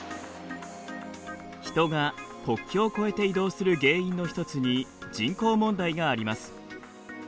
人が国境を越えて移動する原因の一つに人口問題があります。